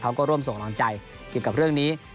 เขาก็ร่วมส่งกำลังใจเกี่ยวกับเรื่องนี้